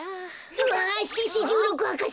うわ獅子じゅうろく博士！